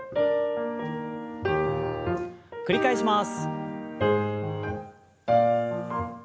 繰り返します。